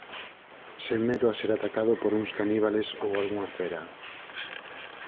sen medo a ser atacado por uns caníbales ou algunha fera.